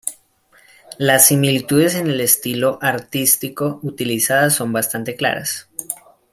Las similitudes en el estilo artístico utilizado son bastante claras.